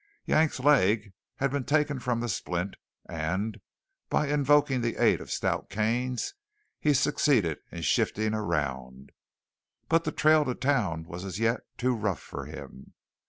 Yank's leg had been taken from the splint, and, by invoking the aid of stout canes, he succeeded in shifting around. But the trail to town was as yet too rough for him.